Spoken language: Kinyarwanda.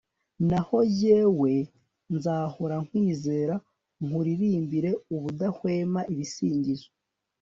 naho jyewe, nzahora nkwizera, nkuririmbire ubudahwema ibisingizo